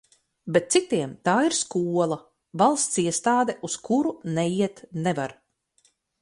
Bet citiem tā ir skola, valsts iestāde, uz kuru neiet nevar.